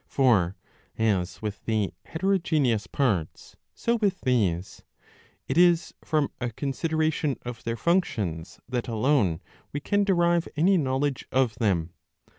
For, as with the heterogeneous parts, so with these ; it is from a consideration of their functions that alone we can derive any knowledge of them.